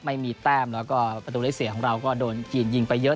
ไม่มีแต้มแล้วก็ประตูได้เสียของเราก็โดนจีนยิงไปเยอะ